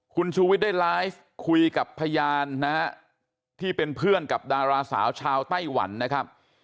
คุณชูวิทย์ได้ไลฟ์คุยกับพยานนะฮะที่เป็นเพื่อนกับดาราสาวชาวไต้หวันนะครับ